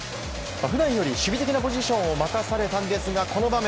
普段より守備的なポジションを任されたんですがこの場面。